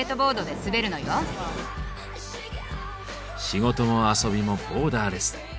仕事も遊びもボーダーレス。